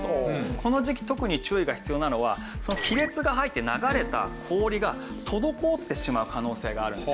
この時期特に注意が必要なのはその亀裂が入って流れた氷が滞ってしまう可能性があるんです。